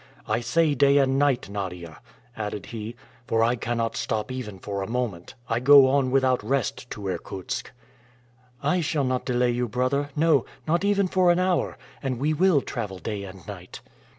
I say day and night, Nadia," added he, "for I cannot stop even for a moment; I go on without rest to Irkutsk." "I shall not delay you, brother; no, not even for an hour, and we will travel day and night."